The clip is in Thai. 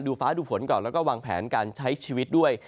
ฟ้าดูฝนก่อนแล้วก็วางแผนการใช้ชีวิตด้วย